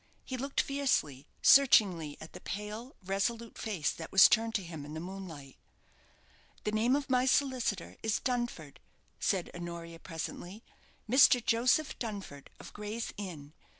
He looked fiercely, searchingly, at the pale, resolute face that was turned to him in the moonlight. "The name of my solicitor is Dunford," said Honoria, presently; "Mr. Joseph Dunford, of Gray's Inn.